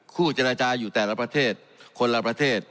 คู่เจรจาอยู่แต่ละประเทศคนละประเทศ